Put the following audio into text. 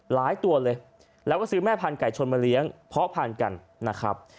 ตัวเลยแล้วก็ซื้อแม่พันธุไก่ชนมาเลี้ยงเพาะพันธุ์กันนะครับ